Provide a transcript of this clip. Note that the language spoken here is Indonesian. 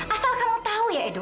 asal kamu tahu ya edo